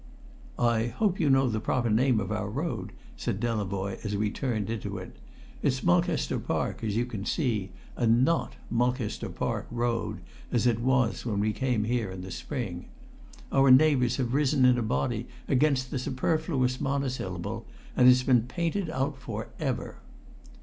"I hope you know the proper name of our road," said Delavoye as we turned into it. "It's Mulcaster Park, as you see, and not Mulcaster Park Road, as it was when we came here in the spring. Our neighbours have risen in a body against the superfluous monosyllable, and it's been painted out for ever."